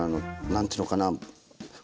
何ていうのかな